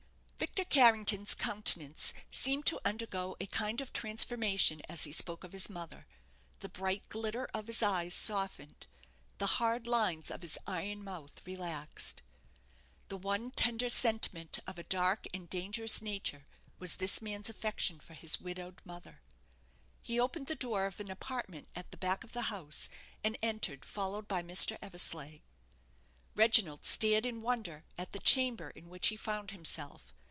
Victor Carrington's countenance seemed to undergo a kind of transformation as he spoke of his mother. The bright glitter of his eyes softened; the hard lines of his iron mouth relaxed. The one tender sentiment of a dark and dangerous nature was this man's affection for his widowed mother. He opened the door of an apartment at the back of the house, and entered, followed by Mr. Eversleigh. Reginald stared in wonder at the chamber in which he found himself.